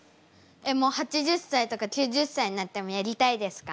もう８０歳とか９０歳になってもやりたいですか？